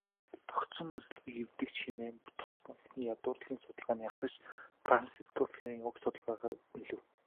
"Тогтсон үзлийг эвдэгч" хэмээн тус банкны ядуурлын судалгааны ахлагч Франсиско Ферреира уг судалгааг үнэлэв.